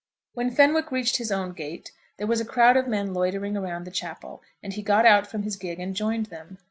When Fenwick reached his own gate there was a crowd of men loitering around the chapel, and he got out from his gig and joined them.